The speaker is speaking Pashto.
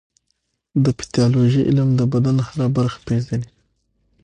د پیتالوژي علم د بدن هره برخه پېژني.